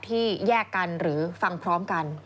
แยกกันหรือฟังพร้อมกัน